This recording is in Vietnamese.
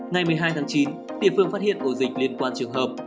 ngày một mươi hai tháng chín địa phương phát hiện ổ dịch liên quan trường hợp